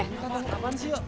ada apaan sih ya